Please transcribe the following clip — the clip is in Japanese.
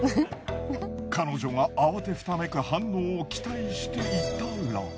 彼女が慌てふためく反応を期待していたら。